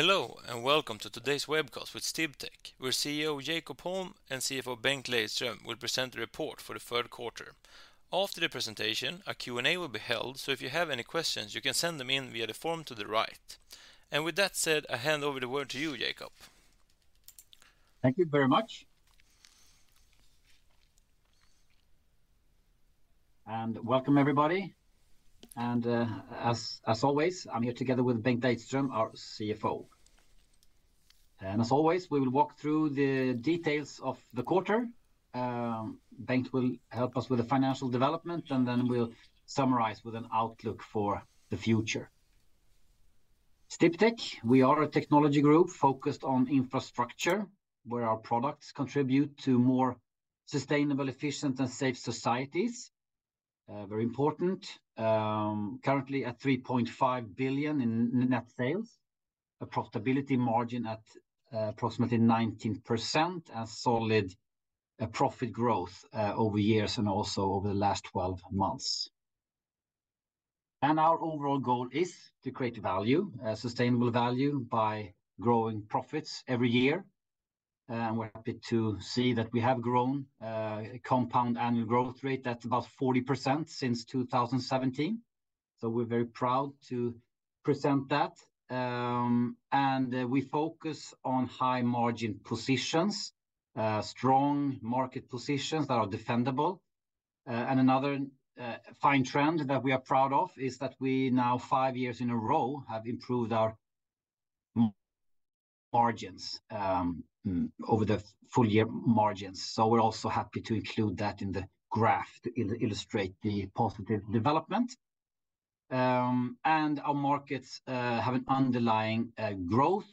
Hello, and welcome to today's webcast with Sdiptech, where CEO Jakob Holm and CFO Bengt Lejdström will present the report for the third quarter. After the presentation, a Q&A will be held, so if you have any questions you can send them in via the form to the right. With that said, I hand over the word to you, Jakob. Thank you very much. Welcome, everybody. As always, I'm here together with Bengt Lejdström, our CFO. As always, we will walk through the details of the quarter. Bengt will help us with the financial development, then we'll summarize with an outlook for the future. Sdiptech, we are a technology group focused on infrastructure, where our products contribute to more sustainable, efficient, and safe societies. Very important. Currently at 3.5 billion in net sales. A profitability margin at approximately 19%. A solid profit growth over years and also over the last 12 months. Our overall goal is to create value, sustainable value, by growing profits every year. We're happy to see that we have grown compound annual growth rate at about 40% since 2017. We're very proud to present that. We focus on high margin positions, strong market positions that are defendable. Another fine trend that we are proud of is that we now, five years in a row, have improved our margins, over the full year margins. We're also happy to include that in the graph to illustrate the positive development. Our markets have an underlying growth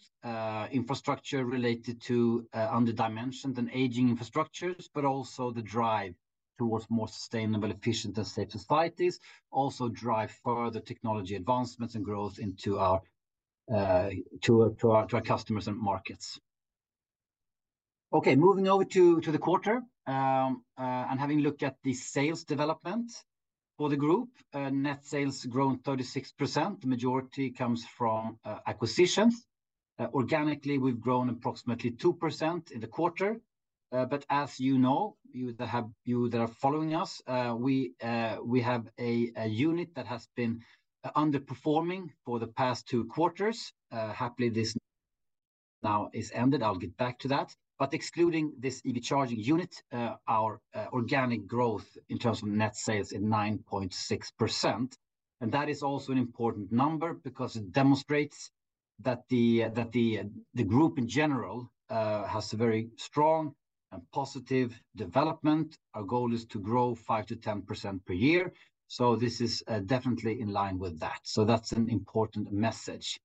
infrastructure related to under-dimensioned and aging infrastructures, but also the drive towards more sustainable, efficient, and safe societies also drive further technology advancements and growth into our to our customers and markets. Moving over to the quarter. Having a look at the sales development for the group. Net sales grown 36%. The majority comes from acquisitions. Organically, we've grown approximately 2% in the quarter. As you know, you that are following us, we have a unit that has been underperforming for the past two quarters. Happily this now is ended. I'll get back to that. Excluding this EV charging units, our organic growth in terms of net sales at 9.6%, and that is also an important number because it demonstrates that the group in general, has a very strong and positive development. Our goal is to grow 5%-10% per year, so this is definitely in line with that. That's an important message.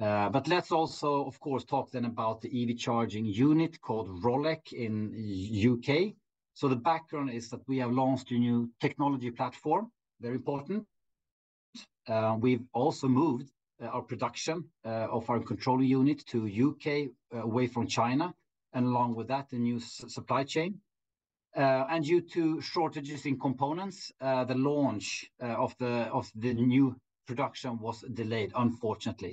Let's also, of course, talk then about the EV charging unit called Rolec in U.K. The background is that we have launched a new technology platform, very important. We've also moved our production of our controller unit to U.K., away from China, and along with that a new supply chain. Due to shortages in components, the launch of the new production was delayed unfortunately.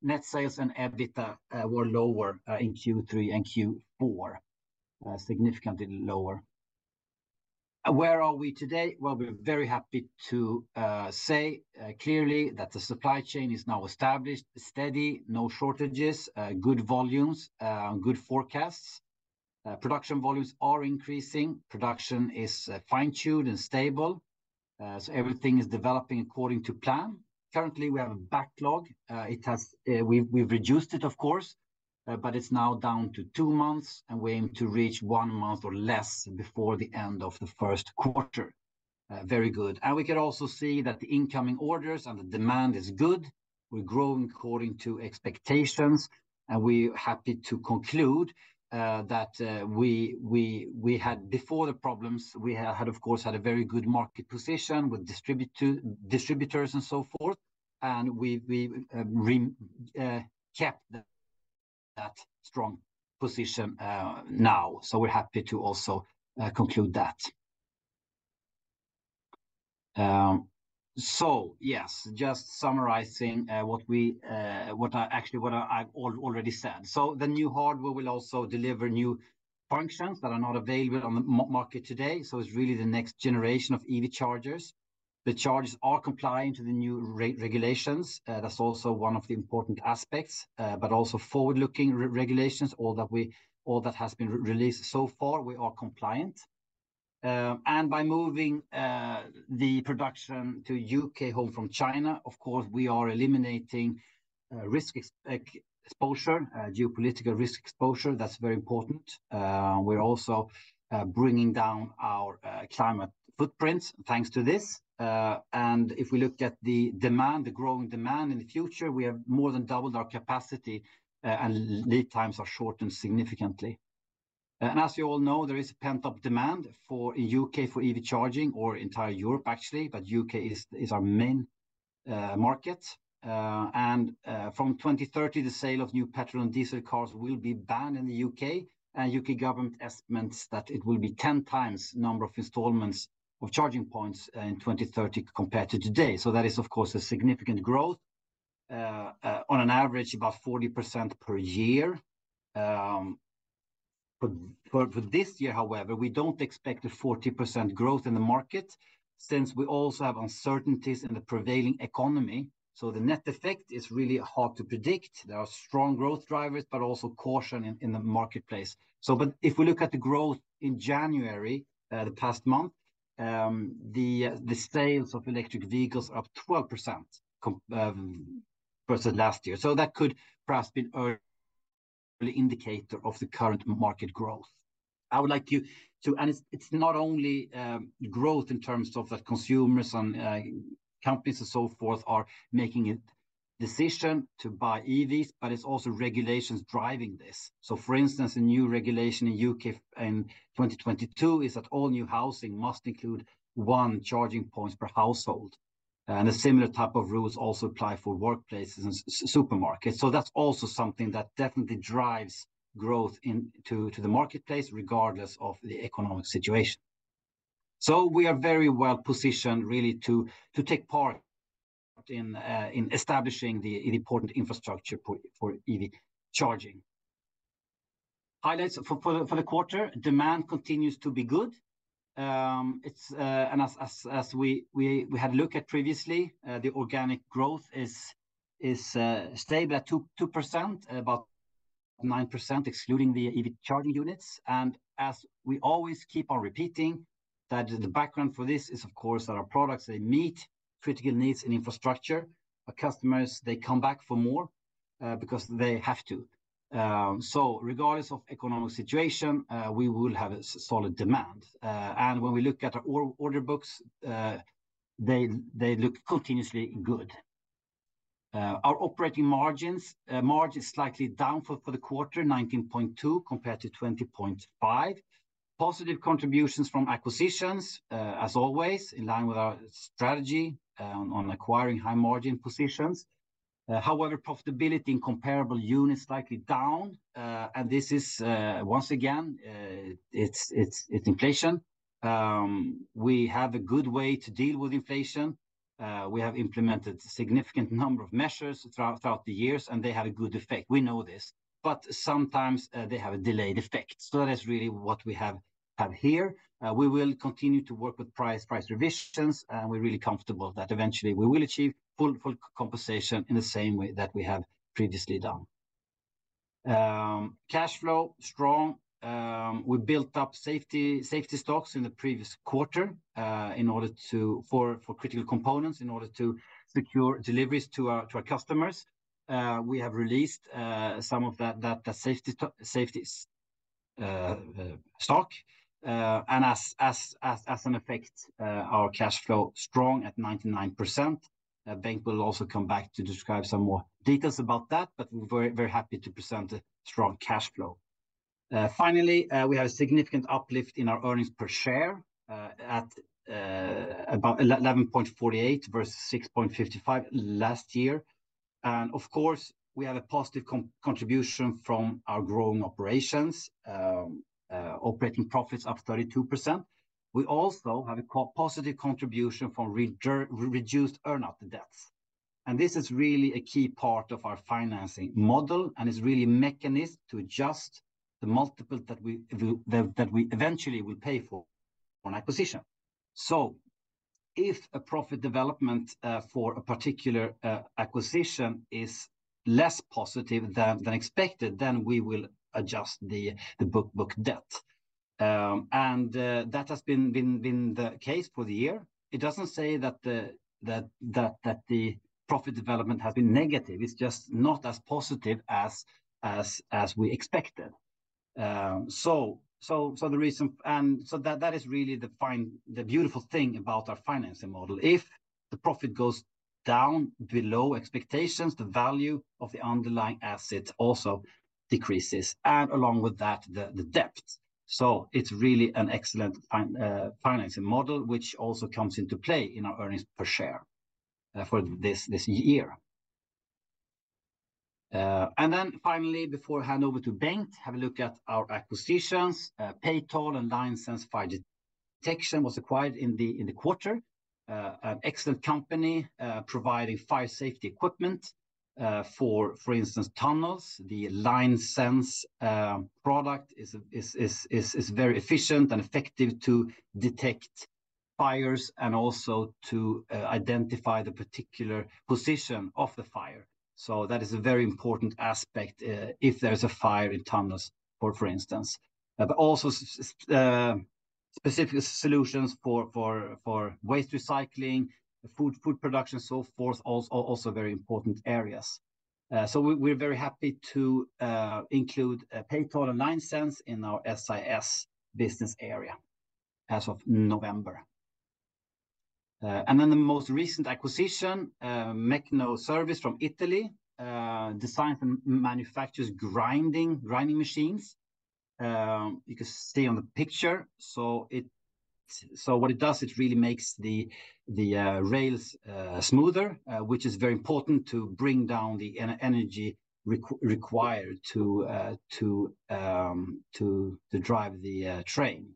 Net sales and EBITDA were lower in Q3 and Q4. Significantly lower. Where are we today? Well, we're very happy to say clearly that the supply chain is now established, steady, no shortages, good volumes, and good forecasts. Production volumes are increasing. Production is fine-tuned and stable. Everything is developing according to plan. Currently, we have a backlog. We've reduced it, of course, but it's now down to two months. We aim to reach one month or less before the end of the first quarter. Very good. We can also see that the incoming orders and the demand is good. We're growing according to expectations. We're happy to conclude that we had, before the problems, had, of course, had a very good market position with distributors and so forth, we kept that strong position now. We're happy to also conclude that. Yes, just summarizing what we, what I, actually what I've already said. The new hardware will also deliver new functions that are not available on the market today, it's really the next generation of EV chargers. The chargers are compliant to the new regulations. That's also one of the important aspects. Also forward-looking regulations, all that has been released so far, we are compliant. By moving the production to U.K., home from China, of course we are eliminating risk exposure, geopolitical risk exposure. That's very important. We're also bringing down our climate footprints thanks to this. If we look at the demand, the growing demand in the future, we have more than doubled our capacity, and lead times are shortened significantly. As you all know, there is pent-up demand for, in U.K. for EV charging, or entire Europe actually, but U.K. is our main market. From 2030 the sale of new petrol and diesel cars will be banned in the U.K.. And U.K. government estimates that it will be 10x number of installments of charging points in 2030 compared to today. That is, of course, a significant growth. On an average about 40% per year. For this year, however, we don't expect a 40% growth in the market since we also have uncertainties in the prevailing economy, so the net effect is really hard to predict. There are strong growth drivers, but also caution in the marketplace. If we look at the growth in January, the past month, the sales of electric vehicles are up 12% versus last year. That could perhaps be an early indicator of the current market growth. I would like you to. It's not only growth in terms of the consumers and companies and so forth are making a decision to buy EVs, but it's also regulations driving this. For instance, a new regulation in U.K. in 2022 is that all new housing must include 1 charging points per household, and a similar type of rules also apply for workplaces and supermarkets. That's also something that definitely drives growth to the marketplace regardless of the economic situation. We are very well positioned really to take part in establishing the important infrastructure for EV charging. Highlights for the quarter. Demand continues to be good. It's. As we had looked at previously, the organic growth is stable at 2%, about 9% excluding the EV charging units. As we always keep on repeating that the background for this is, of course, that our products, they meet critical needs in infrastructure. Our customers, they come back for more because they have to. Regardless of economic situation, we will have a solid demand. When we look at our order books, they look continuously good. Our operating margins, margin is slightly down for the quarter, 19.2% compared to 20.5%. Positive contributions from acquisitions, as always, in line with our strategy, on acquiring high-margin positions. However, profitability in comparable units slightly down. This is once again, it's inflation. We have a good way to deal with inflation. We have implemented a significant number of measures throughout the years, and they have a good effect. We know this. Sometimes, they have a delayed effect. That's really what we have here. We will continue to work with price revisions, and we're really comfortable that eventually we will achieve full compensation in the same way that we have previously done. Cash flow, strong. We built up safety stocks in the previous quarter, for critical components in order to secure deliveries to our customers. We have released some of that safety stock. As an effect, our cash flow strong at 99%. Bengt Lejdström will also come back to describe some more details about that, but we're very happy to present a strong cash flow. Finally, we have a significant uplift in our earnings per share at about 11.48 versus 6.55 last year. Of course, we have a positive contribution from our growing operations. Operating profits up 32%. We also have a positive contribution from reduced earnout debts. This is really a key part of our financing model and is really a mechanism to adjust the multiple that we eventually will pay for on acquisition. If a profit development for a particular acquisition is less positive than expected, then we will adjust the book debt. That has been the case for the year. It doesn't say that the profit development has been negative. It's just not as positive as we expected. The reason, and that is really the beautiful thing about our financing model. If the profit goes down below expectations, the value of the underlying asset also decreases and along with that, the debt. It's really an excellent financing model, which also comes into play in our earnings per share for this year. Then finally, before hand over to Bengt, have a look at our acquisitions. Patol and Linesense Fire Detection was acquired in the quarter. An excellent company, providing fire safety equipment for instance, tunnels. The Linesense product is very efficient and effective to detect fires and also to identify the particular position of the fire. That is a very important aspect if there's a fire in tunnels, for instance. Specific solutions for waste recycling, food production, so forth, also very important areas. We're very happy to include Patol and Linesense in our SIS business area as of November. The most recent acquisition, Mecno Service from Italy, designs and manufactures grinding machines. You can see on the picture. What it does, it really makes the rails smoother, which is very important to bring down the energy required to drive the train.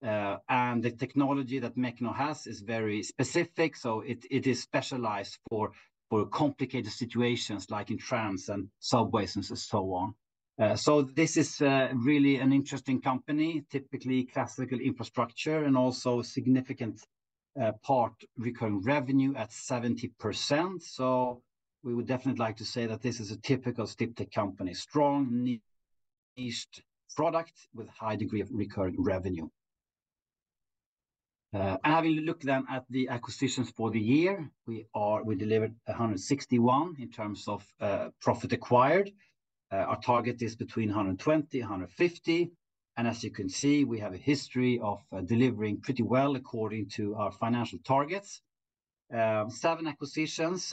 The technology that Mecno has is very specific, so it is specialized for complicated situations like in trams and subways and so on. This is really an interesting company, typically classical infrastructure, and also significant part recurring revenue at 70%. We would definitely like to say that this is a typical Sdiptech company. Strong niche product with high degree of recurring revenue. Having a look then at the acquisitions for the year, we delivered 161 in terms of profit acquired. Our target is between 120-150, and as you can see, we have a history of delivering pretty well according to our financial targets. Seven acquisitions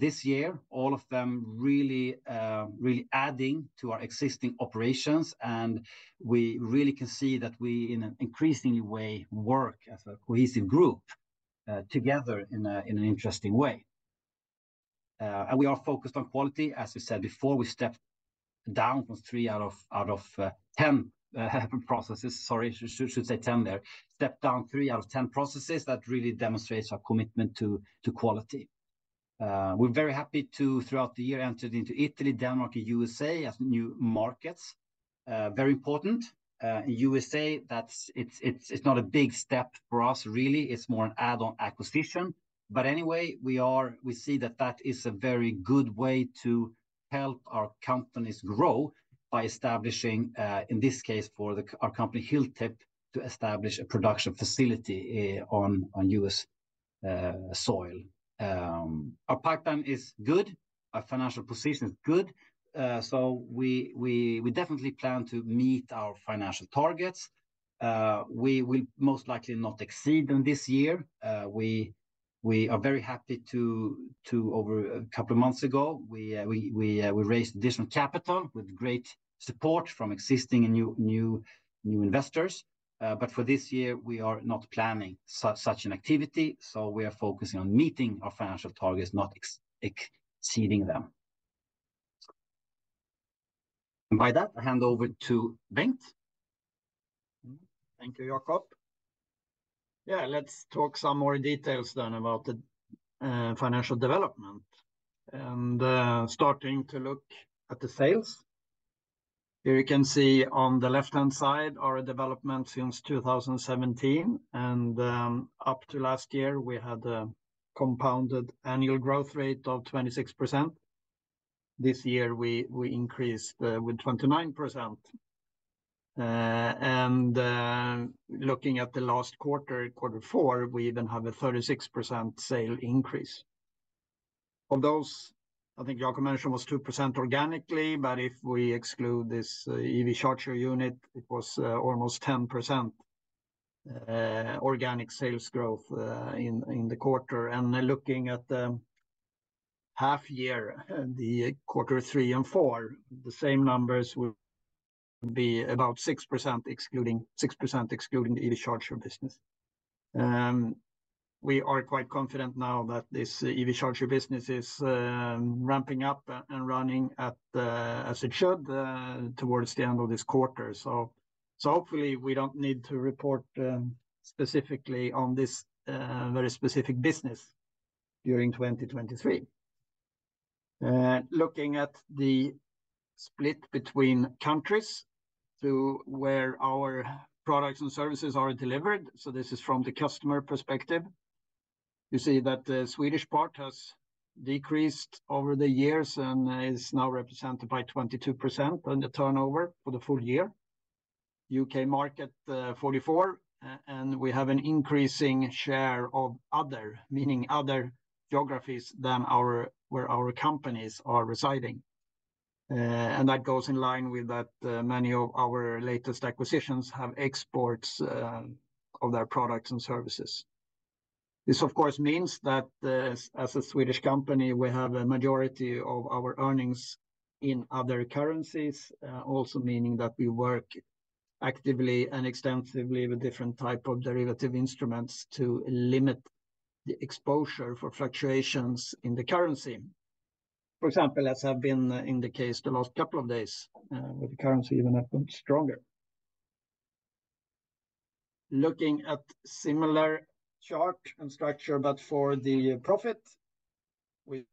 this year, all of them really adding to our existing operations, and we really can see that we, in an increasingly way, work as a cohesive group together in an interesting way. We are focused on quality. As we said before, we stepped down from three out of 10 processes. Sorry, should say 10 there. Stepped down three out of 10 processes. That really demonstrates our commitment to quality. We're very happy to, throughout the year, entered into Italy, Denmark, and U.S.A. as new markets. Very important. In U.S.A., it's not a big step for us really. It's more an add-on acquisition. Anyway, we see that that is a very good way to help our companies grow by establishing, in this case, for our company, Hilltip, to establish a production facility on U.S. soil. Our pipeline is good. Our financial position is good. We definitely plan to meet our financial targets. We will most likely not exceed them this year. We are very happy to over a couple of months ago, we raised additional capital with great support from existing and new investors. For this year, we are not planning such an activity. We are focusing on meeting our financial targets, not exceeding them. By that, I hand over to Bengt. Thank you, Jakob. Yeah, let's talk some more details then about the financial development. Starting to look at the sales, here you can see on the left-hand side our development since 2017. Up to last year, we had a compounded annual growth rate of 26%. This year, we increased with 29%. Looking at the last quarter four, we even have a 36% sale increase. Of those, I think Jakob mentioned was 2% organically, but if we exclude this EV charger unit, it was almost 10% organic sales growth in the quarter. Looking at the half year, the quarter three and four, the same numbers would be about 6% excluding the EV charger business. We are quite confident now that this EV charger business is ramping up and running at the, as it should, towards the end of this quarter. Hopefully, we don't need to report specifically on this very specific business during 2023. Looking at the split between countries to where our products and services are delivered, so this is from the customer perspective. You see that the Swedish part has decreased over the years and is now represented by 22% on the turnover for the full year. U.K. market, 44%, and we have an increasing share of other, meaning other geographies than where our companies are residing. That goes in line with that, many of our latest acquisitions have exports of their products and services. This, of course, means that as a Swedish company, we have a majority of our earnings in other currencies, also meaning that we work actively and extensively with different type of derivative instruments to limit the exposure for fluctuations in the currency. For example, as have been in the case the last couple of days, where the currency even have grown stronger. Looking at similar chart and structure, but for the profit, we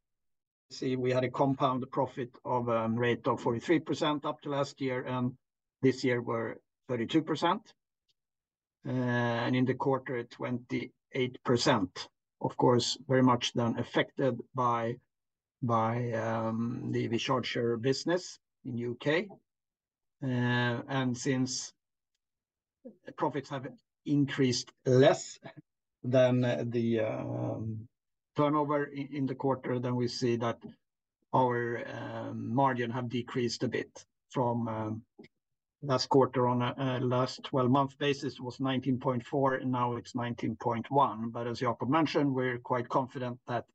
see we had a compound profit of rate of 43% up to last year, and this year we're 32%. In the quarter, 28%. Of course, very much then affected by the EV charger business in U.K.. Since profits have increased less than the turnover in the quarter, then we see that our margin have decreased a bit from last quarter. On a last twelve-month basis was 19.4%, now it's 19.1%. As Jakob mentioned, we're quite confident that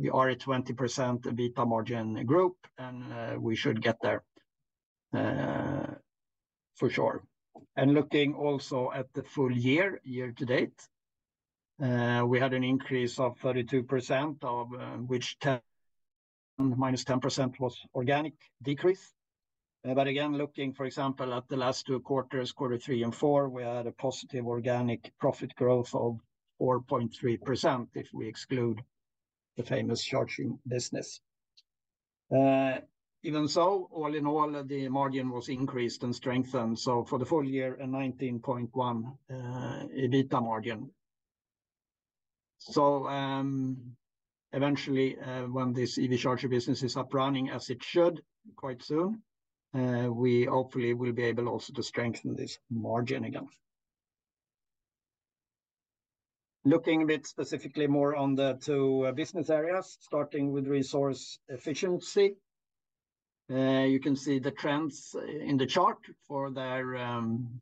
we are a 20% EBITDA margin group, we should get there for sure. Looking also at the full year-to-date, we had an increase of 32%, which -10% was organic decrease. Again, looking, for example, at the last two quarters, Q3 and Q4, we had a positive organic profit growth of 4.3% if we exclude the famous charging business. All in all, the margin was increased and strengthened. For the full year, a 19.1% EBITDA margin. Eventually, when this EV charger business is up running as it should quite soon, we hopefully will be able also to strengthen this margin again. Looking a bit specifically more on the two business areas, starting with Resource Efficiency. You can see the trends in the chart for their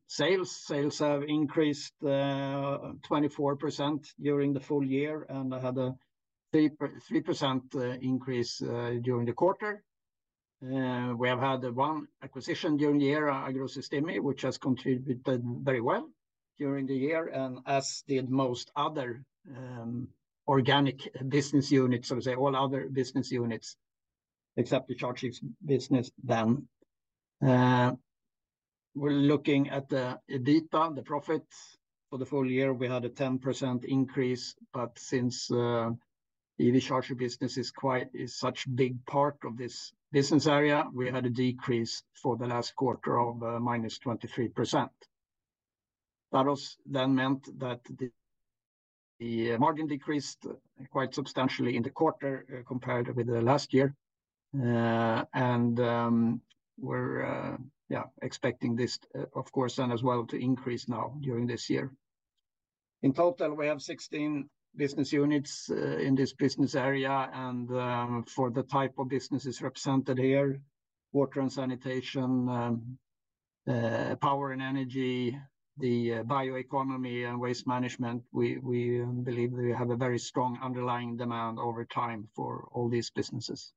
sales. Sales have increased 24% during the full year, and had a 3% increase during the quarter. We have had one acquisition during the year, Agrosistemi, which has contributed very well during the year, and as did most other organic business units, so to say, all other business units, except the charges business then. We're looking at the EBITDA, the profits. For the full year, we had a 10% increase. Since EV charger business is such big part of this business area, we had a decrease for the last quarter of -23%. That has meant that the margin decreased quite substantially in the quarter compared with the last year. We're expecting this, of course, then as well to increase now during this year. In total, we have 16 business units in this business area. For the type of businesses represented here, water and sanitation, power and energy, the bioeconomy and waste management, we believe we have a very strong underlying demand over time for all these businesses.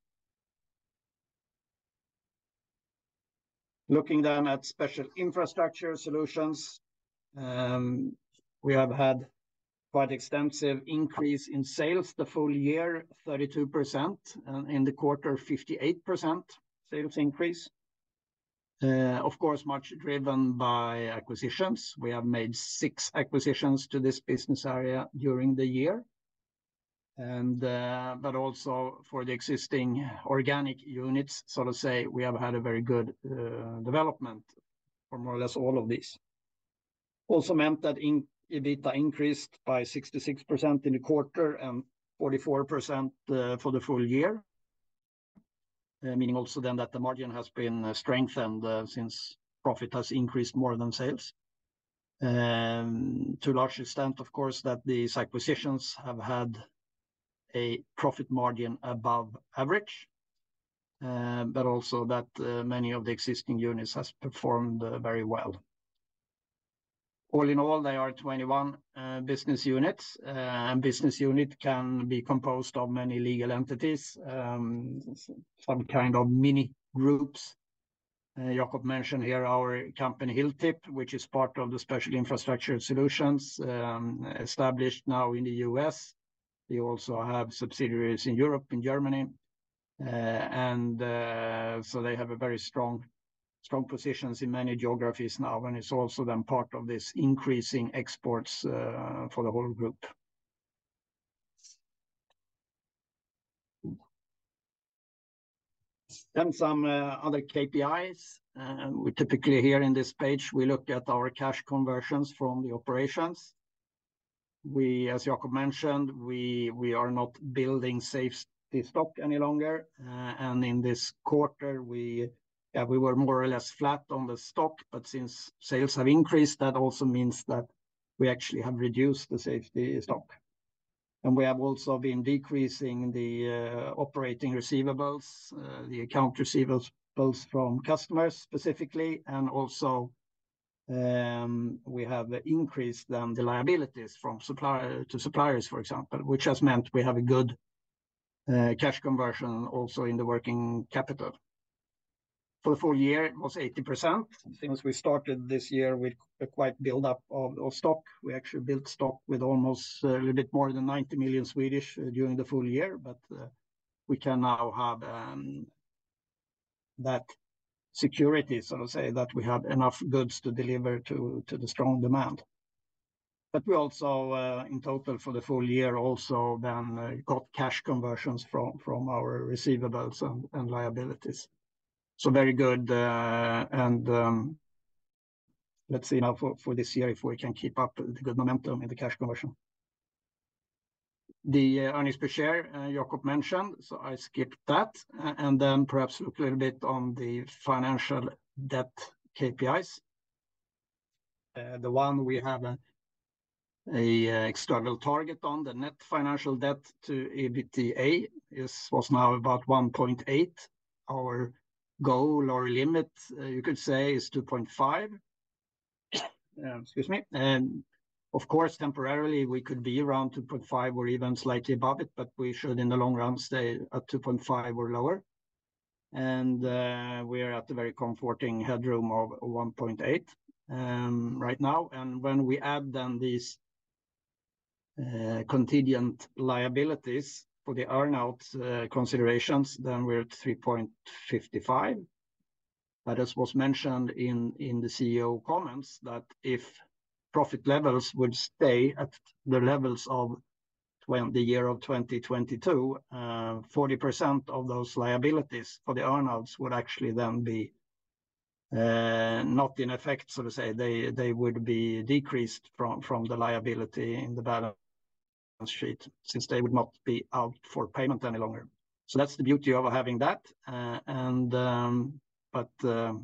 Looking at Special Infrastructure Solutions, we have had quite extensive increase in sales the full year, 32%, in the quarter, 58% sales increase. Of course, much driven by acquisitions. We have made six acquisitions to this business area during the year. Also for the existing organic units, so to say, we have had a very good development for more or less all of these. Also meant that EBITDA increased by 66% in the quarter and 44% for the full year. Meaning also that the margin has been strengthened since profit has increased more than sales. To a large extent, of course, that these acquisitions have had a profit margin above average, but also that many of the existing units has performed very well. All in all, there are 21 business units, business unit can be composed of many legal entities, some kind of mini groups. Jakob mentioned here our company, Hilltip, which is part of the Special Infrastructure Solutions, established now in the U.S. We also have subsidiaries in Europe and Germany. They have a very strong positions in many geographies now, and it's also part of this increasing exports for the whole group. Some other KPIs. We typically here in this page, we look at our cash conversions from the operations. We, as Jakob mentioned, we are not building safety stock any longer. In this quarter, we were more or less flat on the stock, since sales have increased, that also means that we actually have reduced the safety stock. We have also been decreasing the operating receivables, the account receivables both from customers specifically and also, we have increased then the liabilities to suppliers, for example, which has meant we have a good cash conversion also in the working capital. For the full year, it was 80%. Since we started this year with a quite build-up of stock, we actually built stock with almost a little bit more than 90 million during the full year. We can now have that security, so to say, that we have enough goods to deliver to the strong demand. We also, in total for the full year also then, got cash conversions from our receivables and liabilities. Very good, and let's see now for this year if we can keep up the good momentum in the cash conversion. The earnings per share Jakob mentioned, so I skipped that. Perhaps look a little bit on the financial debt KPIs. The one we have an external target on the net financial debt to EBITDA was now about 1.8. Our goal or limit, you could say, is 2.5. Excuse me. Of course, temporarily, we could be around 2.5 or even slightly above it, but we should, in the long run, stay at 2.5 or lower. We are at the very comforting headroom of 1.8 right now. When we add then these contingent liabilities for the earn-out considerations, then we're at 3.55 billion. As was mentioned in the CEO comments, that if profit levels would stay at the levels of the year of 2022, 40% of those liabilities for the earn-outs would actually then be not in effect, so to say. They would be decreased from the liability in the balance sheet since they would not be out for payment any longer. That's the beauty of having that. But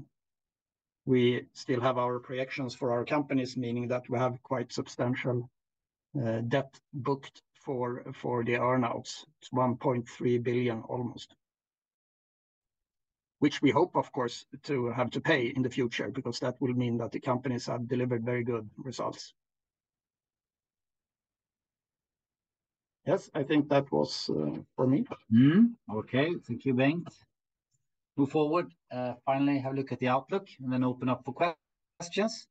we still have our projections for our companies, meaning that we have quite substantial debt booked for the earn-outs. It's 1.3 billion almost. We hope, of course, to have to pay in the future because that will mean that the companies have delivered very good results. Yes, I think that was for me. Okay. Thank you, Bengt. Move forward. Finally have a look at the outlook and then open up for questions.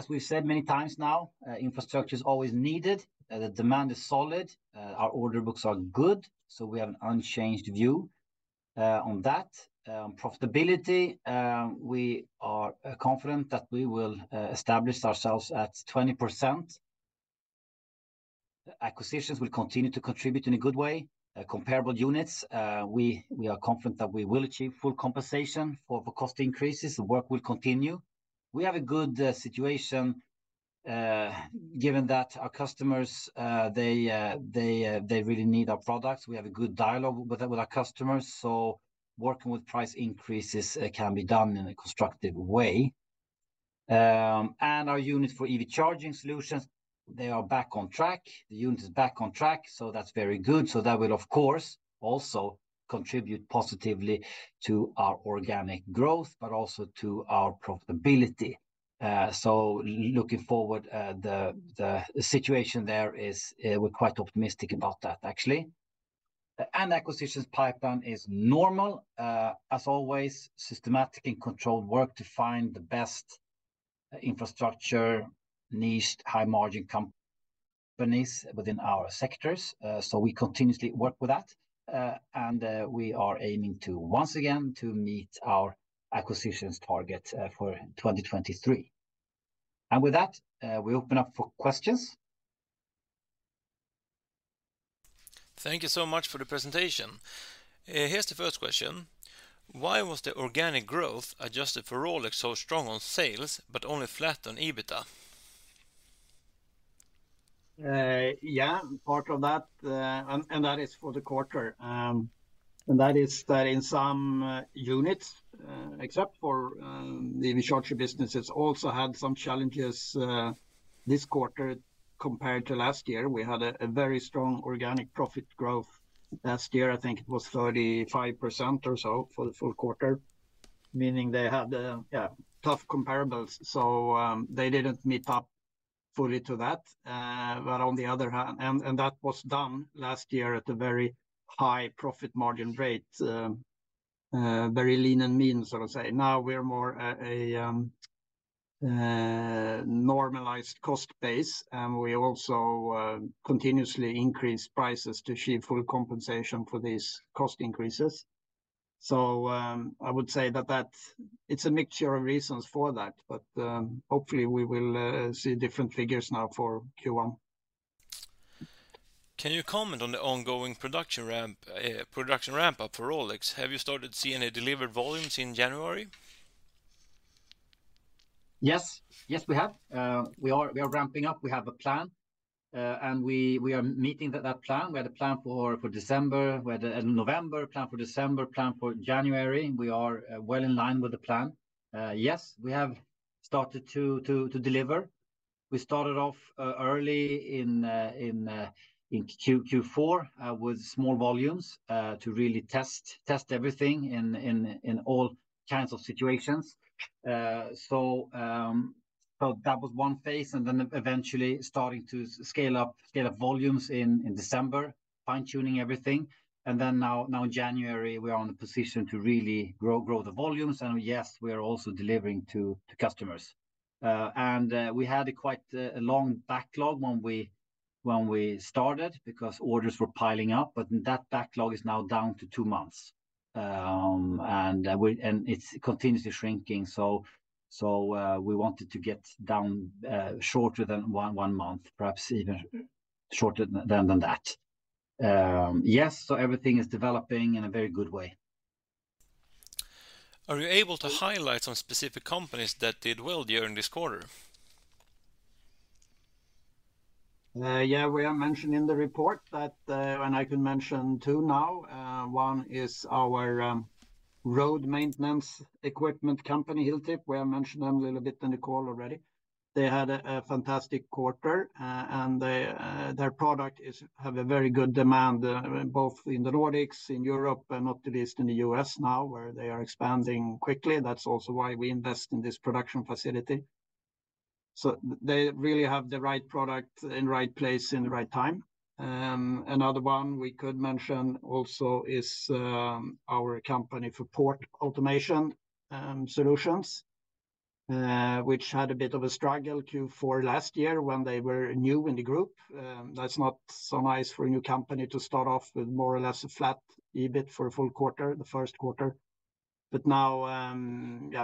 As we've said many times now, infrastructure is always needed. The demand is solid. Our order books are good, we have an unchanged view on that. Profitability, we are confident that we will establish ourselves at 20%. Acquisitions will continue to contribute in a good way. Comparable units, we are confident that we will achieve full compensation for the cost increases. The work will continue. We have a good situation, given that our customers, they really need our products. We have a good dialogue with our customers, working with price increases can be done in a constructive way. Our unit for EV charging solutions, they are back on track. The unit is back on track, that's very good. That will, of course, also contribute positively to our organic growth, but also to our profitability. Looking forward, the situation there is, we're quite optimistic about that actually. Acquisitions pipeline is normal. As always, systematic and controlled work to find the best infrastructure, niched, high-margin companies within our sectors. We continuously work with that. We are aiming to once again to meet our acquisitions target for 2023. With that, we open up for questions. Thank you so much for the presentation. Here's the first question: Why was the organic growth adjusted for Rolec so strong on sales but only flat on EBITDA? Yeah. Part of that, and that is for the quarter. That is that in some units, except for the initial businesses also had some challenges this quarter compared to last year. We had a very strong organic profit growth last year. I think it was 35% or so for the full quarter, meaning they had, yeah, tough comparables. They didn't meet up fully to that. On the other hand... That was done last year at a very high profit margin rate, very lean and mean, so to say. Now we're more a normalized cost base, and we also continuously increase prices to achieve full compensation for these cost increases. I would say that it's a mixture of reasons for that. Hopefully we will see different figures now for Q1. Can you comment on the ongoing production ramp up for Rolec? Have you started seeing any delivered volumes in January? Yes, we have. We are ramping up. We have a plan. We are meeting that plan. We had a plan for December. We had a November plan, for December plan, for January. We are well in line with the plan. Yes, we have started to deliver. We started off early in Q4 with small volumes to really test everything in all kinds of situations. That was one phase, and then eventually starting to scale up volumes in December, fine-tuning everything. Now January, we are in a position to really grow the volumes. Yes, we are also delivering to customers. We had a quite, a long backlog when we started because orders were piling up, but that backlog is now down to two months. It's continuously shrinking. We wanted to get down, shorter than one month, perhaps even shorter than that. Everything is developing in a very good way. Are you able to highlight some specific companies that did well during this quarter? Yeah, we have mentioned in the report that, and I can mention two now. One is our road maintenance equipment company, Hilltip, where I mentioned them a little bit in the call already. They had a fantastic quarter, and they, their product is have a very good demand, both in the Nordics, in Europe, and not the least in the U.S. now, where they are expanding quickly. That's also why we invest in this production facility. They really have the right product in the right place, in the right time. Another one we could mention also is our company for port automation solutions, which had a bit of a struggle Q4 last year when they were new in the group. That's not so nice for a new company to start off with more or less a flat EBIT for a full quarter, the first quarter. Now,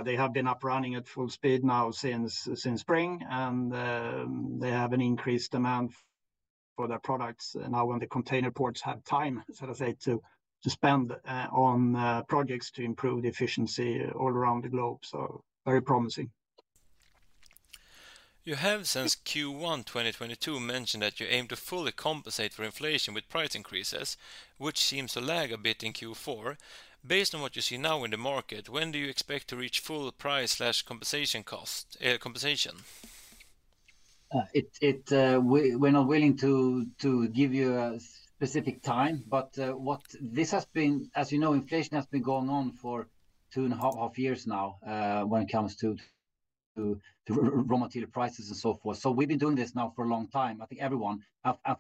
they have been up running at full speed now since spring, and, they have an increased demand for their products now when the container ports have time, so to say, to spend, on, projects to improve the efficiency all around the globe. Very promising. You have since Q1 2022 mentioned that you aim to fully compensate for inflation with price increases, which seems to lag a bit in Q4. Based on what you see now in the market, when do you expect to reach full price/compensation cost compensation? We're not willing to give you a specific time. What this has been. As you know, inflation has been going on for two and a half years now, when it comes to raw material prices and so forth. We've been doing this now for a long time. I think everyone.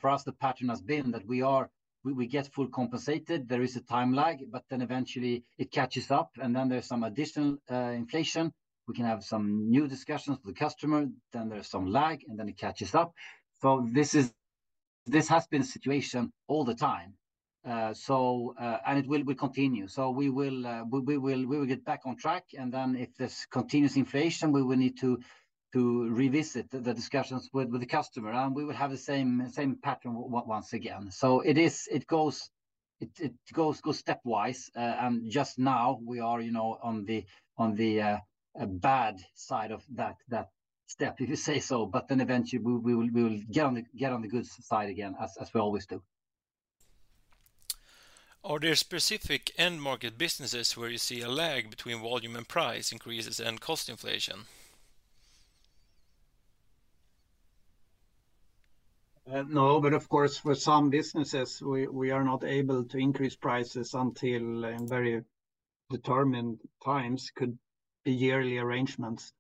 For us, the pattern has been that we get full compensated. There is a time lag. Eventually it catches up. There's some additional inflation. We can have some new discussions with the customer. There's some lag, and then it catches up. This has been the situation all the time. It will continue. We will get back on track, and then if there's continuous inflation, we will need to revisit the discussions with the customer, and we will have the same pattern once again. It is, it goes stepwise. Just now we are, you know, on the bad side of that step, if you say so, but then eventually we will get on the good side again as we always do. Are there specific end market businesses where you see a lag between volume and price increases and cost inflation? No, of course, for some businesses, we are not able to increase prices until in very determined times. Could be yearly arrangements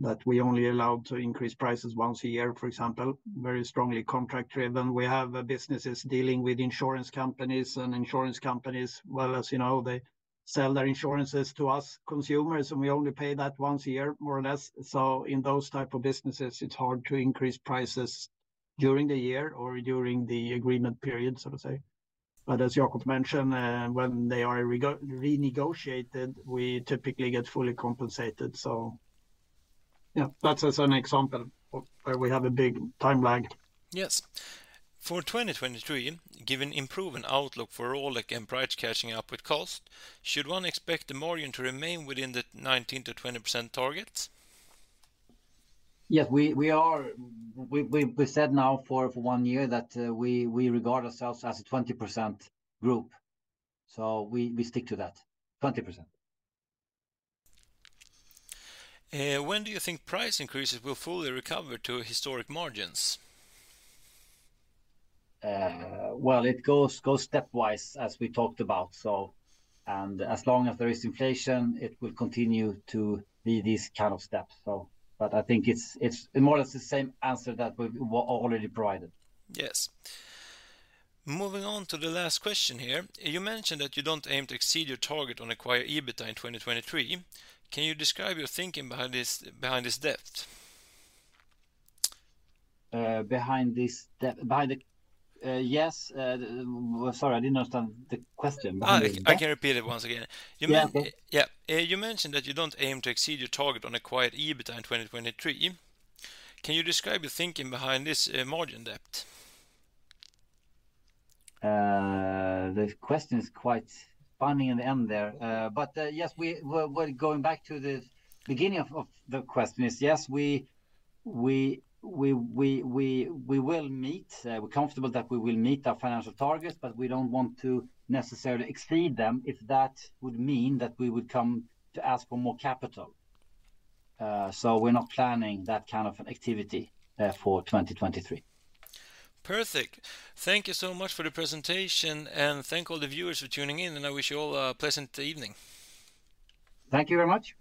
that we only allow to increase prices once a year, for example. Very strongly contract driven. We have businesses dealing with insurance companies, insurance companies, well, as you know, they sell their insurances to us consumers, and we only pay that once a year, more or less. In those type of businesses, it's hard to increase prices during the year or during the agreement period, so to say. As Jakob mentioned, when they are renegotiated, we typically get fully compensated. That's as an example of where we have a big time lag. Yes. For 2023, given improving outlook for Rolec and price catching up with cost, should one expect the margin to remain within the 19%-20% targets? Yes, we are. We said now for one year that we regard ourselves as a 20% group. We stick to that, 20%. When do you think price increases will fully recover to historic margins? Well, it goes stepwise as we talked about. As long as there is inflation, it will continue to be these kind of steps. I think it's more or less the same answer that we've already provided. Yes. Moving on to the last question here. You mentioned that you don't aim to exceed your target on acquired EBITA in 2023. Can you describe your thinking behind this debt? Yes, sorry, I didn't understand the question? I can repeat it once again. Yeah. You mentioned that you don't aim to exceed your target on acquired EBITA in 2023. Can you describe your thinking behind this margin debt? The question is quite funny in the end there. But, yes, we are going back to the beginning of the question is, yes, we will meet, we are comfortable that we will meet our financial targets, but we don't want to necessarily exceed them if that would mean that we would come to ask for more capital. So we are not planning that kind of an activity for 2023. Perfect. Thank you so much for the presentation, thank all the viewers for tuning in, I wish you all a pleasant evening. Thank you very much.